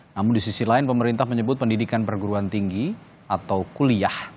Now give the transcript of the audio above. namun di sisi lain pemerintah menyebut pendidikan perguruan tinggi atau kuliah